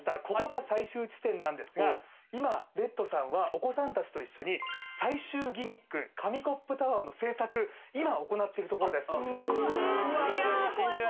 ここが最終地点なんですが今レッドさんはお子さん達と一緒に最終ギミック紙コップタワーの製作今行っているところです